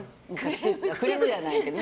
クレームじゃないけどね。